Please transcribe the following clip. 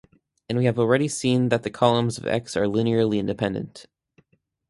And we have already seen that the columns of X are linearly independent.